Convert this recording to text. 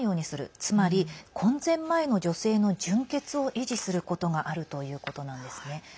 つまり、婚前の女性の純潔を維持することがあるということなんですね。